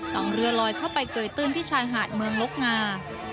ของเรือลอยเข้าไปเกยตื้นที่ชายหาดเมืองลกงา